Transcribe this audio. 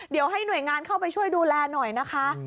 เดี๋ยวให้หน่วยงานเข้าไปช่วยดูแลหน่อยนะคะ